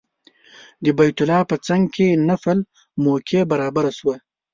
د بیت الله په څنګ کې نفل موقع برابره شوه.